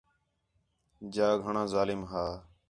جا گھݨاں ظالم ہا